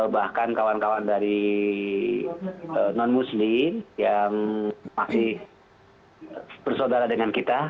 bahkan kawan kawan dari non muslim yang masih bersaudara dengan kita